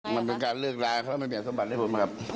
มันเป็นการเลือกลาเขาไม่เปลี่ยนสมบัติให้ผมครับ